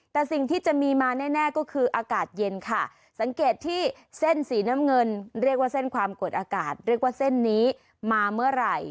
แต่สิ่งที่จะมีมาแน่ก็คืออากาศเย็นค่ะสังเกตที่เส้นสีน้ำเงินเรียกว่าเส้นความกดอากาศเรียกว่าเส้นนี้มาเมื่อไหร่